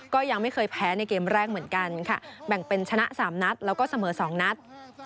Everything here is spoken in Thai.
ก็ยังไม่เคยแพ้ในเกมแรกเหมือนกันค่ะแบ่งเป็นชนะ๓นัดแล้วก็เสมอ๒นัด